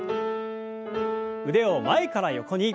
腕を前から横に。